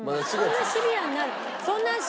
そんなシビアになる。